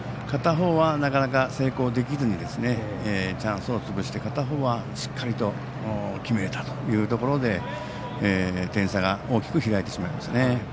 片方はなかなか成功できずチャンスを潰して片方はしっかりと決めれたというところで点差が大きく開いてしまいました。